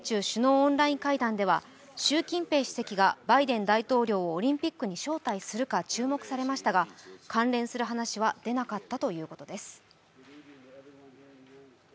オンライン会談では習近平主席がバイデン大統領をオリンピックに招待するか注目されましたが、関連する話は出なかったということです。